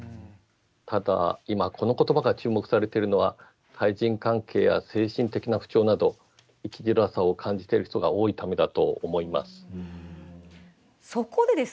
ただ、この言葉が注目されているのは対人関係や精神的不調など生きづらさを感じている人が多いためだと思います。